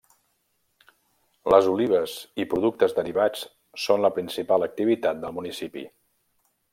Les olives i productes derivats són la principal activitat del municipi.